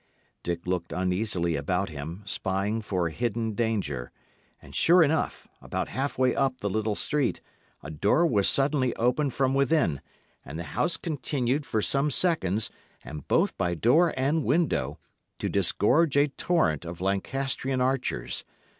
Dick looked uneasily about him, spying for a hidden danger. And sure enough, about half way up the little street, a door was suddenly opened from within, and the house continued, for some seconds, and both by door and window, to disgorge a torrent of Lancastrian archers.